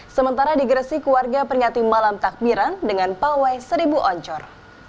sementara digresi keluarga pernyati malam takbiran dengan pawai seribu oncor